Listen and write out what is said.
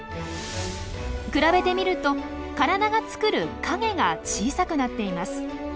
比べてみると体が作る影が小さくなっています。